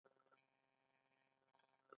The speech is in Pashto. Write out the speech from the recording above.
سوله د هېوادونو ترمنځ د صلحې جوړولو یوه اساس ده.